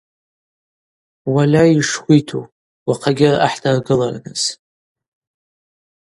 Уальай, йшхвиту уахъагьи араъа хӏдыргылырныс.